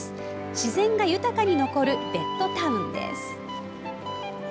自然が豊かに残るベッドタウンです。